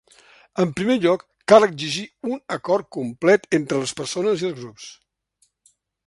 En primer lloc cal exigir un acord complet entre les persones i els grups.